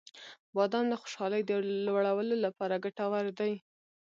• بادام د خوشحالۍ د لوړولو لپاره ګټور دی.